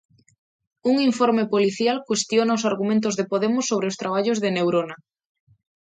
Un informe policial cuestiona os argumentos de Podemos sobre os traballos de Neurona.